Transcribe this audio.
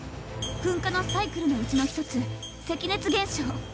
噴火のサイクルのうちの一つ「赤熱現象」。